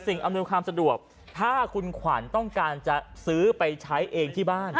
อำนวยความสะดวกถ้าคุณขวัญต้องการจะซื้อไปใช้เองที่บ้าน